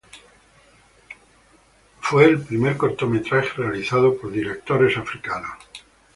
Fue el primer cortometraje realizado por directores africanos.